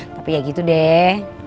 tapi ya gitu deh